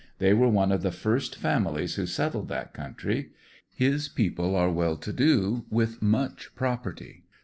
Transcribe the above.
They were one of the first families who settled thai country. His people are well to do, with much property.